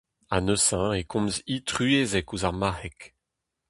A-neuze e komz-hi truezek ouzh ar Marc'heg.